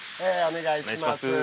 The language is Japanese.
お願いします